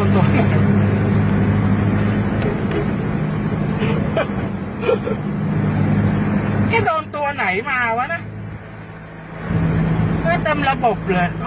โดนตัวไหนเนี่ยโดนตัวไหนมาวะนะไม่เต็มระบบเลยเอา